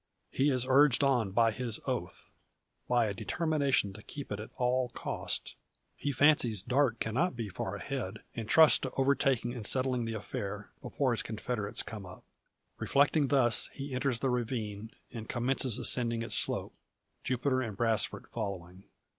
He is urged on by his oath by a determination to keep it at all cost. He fancies Darke cannot be far ahead, and trusts to overtaking, and settling the affair, before his confederates come up. Reflecting thus, he enters the ravine, and commences ascending its slope, Jupiter and Brasfort following.